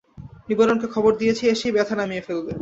নিবারণকে খবর দিয়েছি, এসেই ব্যথা নামিয়ে ফেলবে!